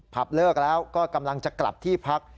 เลิกแล้วก็กำลังจะกลับที่พัก